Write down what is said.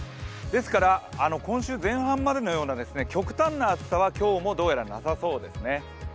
ですから今週前半までのような極端な暑さは今日もどうやらなさそうですね。